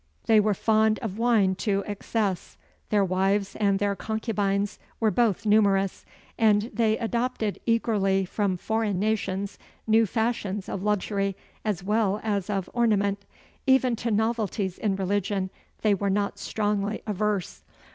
They were fond of wine to excess; their wives and their concubines were both numerous; and they adopted eagerly from foreign nations new fashions of luxury as well as of ornament. Even to novelties in religion, they were not strongly averse.